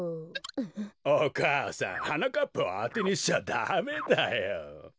お母さんはなかっぱをあてにしちゃダメだよ。